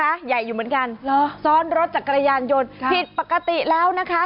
พระพุทธรูปใหญ่อยู่เหมือนกันซ้อนรถจักรยานยนต์ผิดปกติแล้วนะคะ